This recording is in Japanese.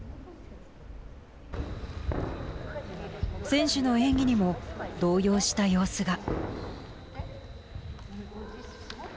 選手の演技にも動揺した様子が。